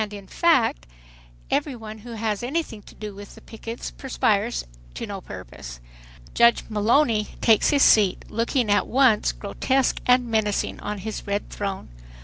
In fact every one who has anything to do with the pickets perspires to no purpose. Judge Mullowny takes his seat, looking at once grotesque and menacing on his red throne.